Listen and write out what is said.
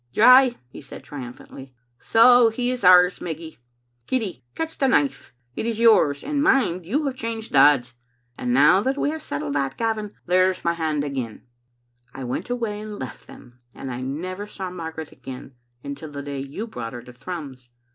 '"* Dry, ' he said triumphantly ;* so he is ours, Meggy. Kiddy, catch the knife. It is yours; and, mind, you have changed dads. And now that we have settled that, Gavin, there's my hand again. ' "I went away and left them, and I never saw Mar garet again until the day you brought her to Thrums.